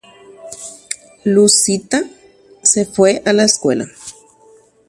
Luchia'i ohókuri mbo'ehaópe